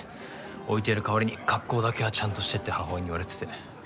置いてやる代わりに格好だけはちゃんとしてって母親に言われてて。